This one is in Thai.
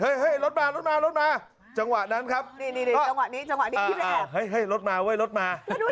เห้ยเห้ยรถมารถมาจังหวะนั้นครับเห้ยรถมา